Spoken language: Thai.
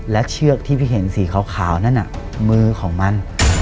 และเชือกที่พี่เห็นสีขาวนั่นน่ะมือของมัน